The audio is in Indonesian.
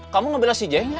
kamu ngebelah cj nya